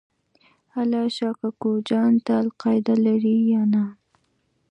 الله شا کوکو جان ته القاعده لرې یا نه؟